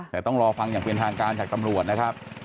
แต่ต้องรอฟังอย่างเป็นทางการจากตำรวจนะครับ